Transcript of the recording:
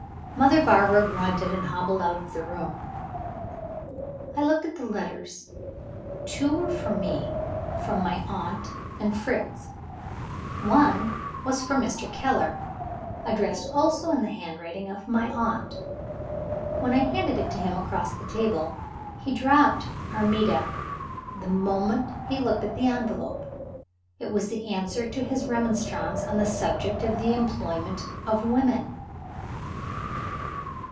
Mother Barbara grunted, and hobbled out of the room. I looked at the letters. Two were for me from my aunt and Fritz. One was for Mr. Keller addressed also in the handwriting of my aunt. When I handed it to him across the table, he dropped "Armida" the moment he looked at the envelope. It was the answer to his remonstrance on the subject of the employment of women.